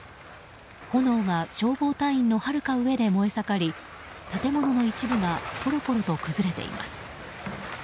炎が消防隊員のはるか上で燃え盛り建物の一部がポロポロと崩れています。